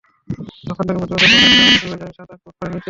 তখন থেকে প্রতিবছর বর্ষায় গ্রামটি ডুবে যায় সাত-আট ফুট পানির নিচে।